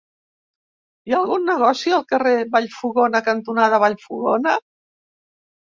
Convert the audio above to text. Hi ha algun negoci al carrer Vallfogona cantonada Vallfogona?